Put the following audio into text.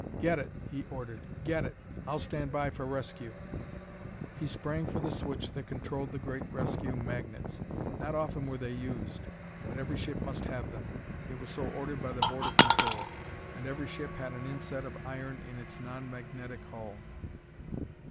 "Get it!" he ordered; "get it! I'll stand by for rescue." He sprang for the switch that controlled the great rescue magnets. Not often were they used, but every ship must have them: it was so ordered by the Board of Control. And every ship had an inset of iron in its non magnetic hull.